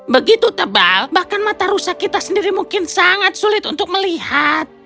begitu tebal bahkan mata rusa kita sendiri mungkin sangat sulit untuk melihat